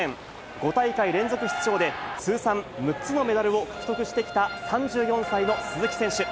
５大会連続出場で、通算６つのメダルを獲得してきた３４歳の鈴木選手。